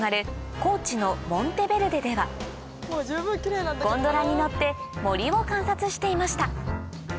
高地のモンテベルデではゴンドラに乗って森を観察していました